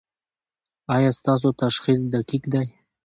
ایا ستاسو تشخیص دقیق دی؟